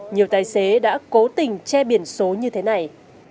nhiều tài xế đã cố tình che biển số như thế này